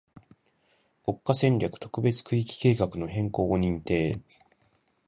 国家戦略特別区域計画の変更を認定